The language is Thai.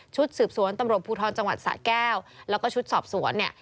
สืบสวนตำรวจภูทรจังหวัดสะแก้วแล้วก็ชุดสอบสวนเนี่ย